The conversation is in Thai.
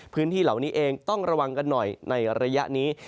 พื้นที่เหล่านี้เองต้องระวังกันหน่อยในระยะนี้